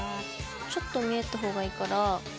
ちょっと見えた方がいいから。